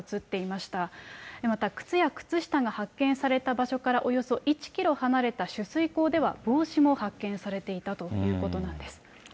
また、靴や靴下が発見された場所からおよそ１キロ離れた取水口では帽子も発見されていたということなんです。